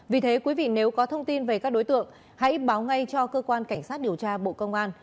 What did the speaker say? vì thế quý vị nếu có thông tin về các đối tượng hãy báo ngay cho cơ quan cảnh sát điều tra bộ công an